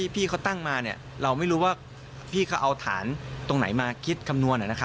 พี่เขาตั้งมาเราไม่รู้ว่าพี่เขาเอาฐานตรงไหนมาคิดคำนวณ